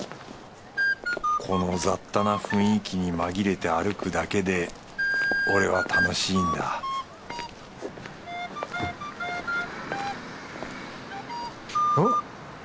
この雑多な雰囲気にまぎれて歩くだけで俺は楽しいんだん？